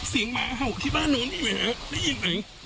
เสียงม้าเเห่าที่บ้านโน้นมีไหมฮะได้ยินไหม